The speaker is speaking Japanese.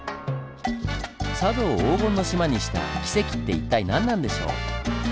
佐渡を「黄金の島」にした「キセキ」って一体何なんでしょう？